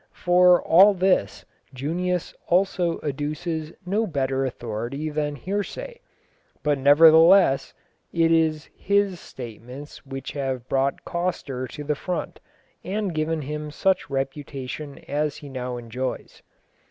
For all this Junius also adduces no better authority than hearsay, but nevertheless it is his statements which have brought Coster to the front and given him such reputation as he now enjoys.